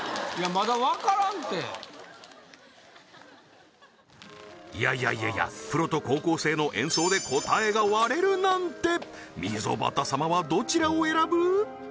まだわからんていやいやいやいやプロと高校生の演奏で答えが割れるなんて溝端様はどちらを選ぶ？